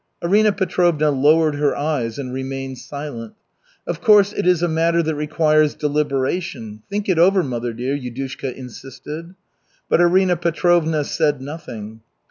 Arina Petrovna lowered her eyes and remained silent. "Of course, it is a matter that requires deliberation. Think it over, mother dear," Yudushka insisted. But Arina Petrovna said nothing.